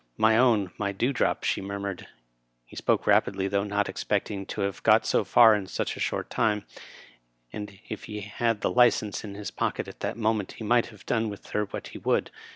" My own, my dewdrop !" he murmured. He spoke rapidly, though not expecting to have got so far in so short a time ; and if he had had the license in his pocket at that moment he might have done with her what he would.